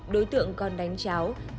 đối tượng còn đánh cháo